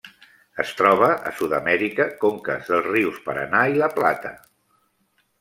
Es troba a Sud-amèrica: conques dels rius Paranà i la Plata.